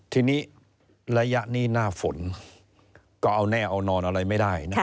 ทีนี้ระยะนี้หน้าฝนก็เอาแน่เอานอนอะไรไม่ได้